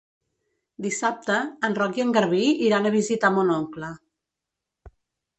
Dissabte en Roc i en Garbí iran a visitar mon oncle.